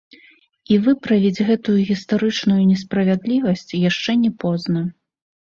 І выправіць гэтую гістарычную несправядлівасць яшчэ не позна.